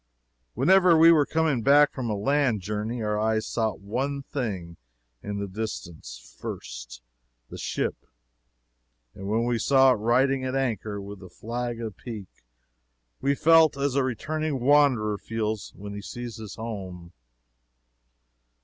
Whenever we were coming back from a land journey, our eyes sought one thing in the distance first the ship and when we saw it riding at anchor with the flag apeak, we felt as a returning wanderer feels when he sees his home.